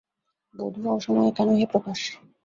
বঁধুয়া অসময়ে কেন হে প্রকাশ?